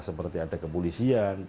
seperti ada kepolisian